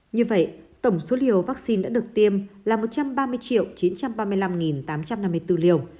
như vậy tổng số liều vaccine đã được tiêm là một trăm ba mươi chín trăm ba mươi năm tám trăm năm mươi bốn liều